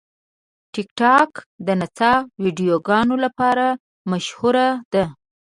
ټیکټاک د نڅا ویډیوګانو لپاره مشهوره ده.